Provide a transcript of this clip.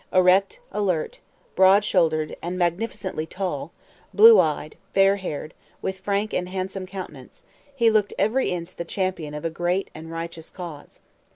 Erect, alert, broad shouldered, and magnificently tall; blue eyed, fair haired, with frank and handsome countenance; he looked every inch the champion of a great and righteous cause.